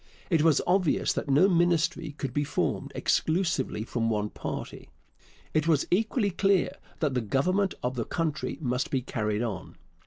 It was obvious that no Ministry could be formed exclusively from one party; it was equally clear that the government of the country must be carried on.